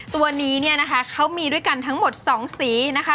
ตัวนี้เขามีด้วยกันทั้งหมด๒สีนะคะ